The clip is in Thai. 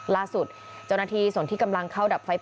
ล่าสุดเจ้านาทีสวรรค์ที่กำลังเข้าดับไฟป่า